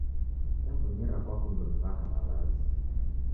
Yaw'onyera kwakundo ni w'aka w'alazi